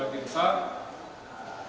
dan diserahkan kepada tim dvi